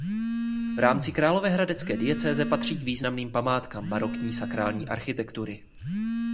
V rámci královéhradecké diecéze patří k významným památkám barokní sakrální architektury.